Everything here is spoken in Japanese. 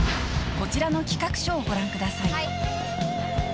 こちらの企画書をご覧ください